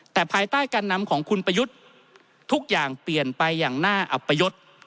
แต่ภายใต้การนำของคุณประยุทธ์ทุกอย่างเปลี่ยนไปอย่างน่าอัปยศ